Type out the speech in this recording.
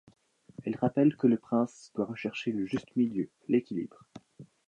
Elle rappelle que le prince doit rechercher le juste milieu, l'équilibre.